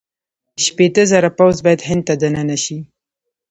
شپېته زره پوځ باید هند ته دننه شي.